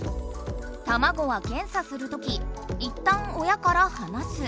卵は検査するときいったん親からはなす。